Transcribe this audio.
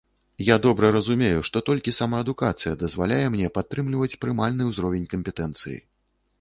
Я добра разумею, што толькі самаадукацыя дазваляе мне падтрымліваць прымальны ўзровень кампетэнцыі.